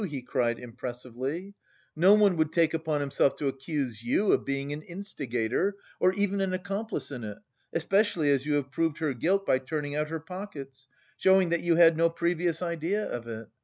he cried impressively, "no one would take upon himself to accuse you of being an instigator or even an accomplice in it, especially as you have proved her guilt by turning out her pockets, showing that you had no previous idea of it.